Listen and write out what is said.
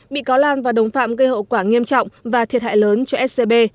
bị cáo lan và đồng phạm gây hậu quả nghiêm trọng và thiệt hại lớn cho scb